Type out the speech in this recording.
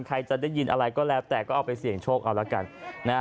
ใครจะได้ยินอะไรก็แล้วแต่ก็เอาไปเสี่ยงโชคเอาละกันนะฮะ